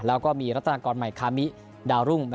แล้วก็มีรัตนากรใหม่คามิดาวรุ่ง